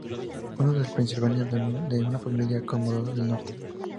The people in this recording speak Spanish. Uno es de Pensilvania, de una familia acomodada del norte.